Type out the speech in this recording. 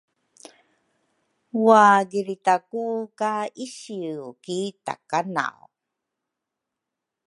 wagiritaku ka isiu ki Takanaw.